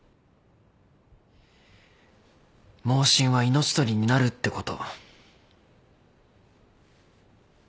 妄信は命取りになるってこと。